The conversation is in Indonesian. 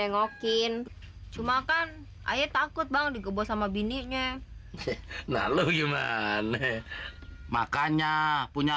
pengen sih ayo dengokin cuma kan ayah takut bang dikebo sama bininya nah lu gimana makanya punya